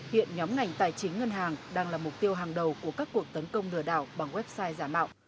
hiện nhóm ngành tài chính ngân hàng đang là mục tiêu hàng đầu của các cuộc tấn công lừa đảo bằng website giả mạo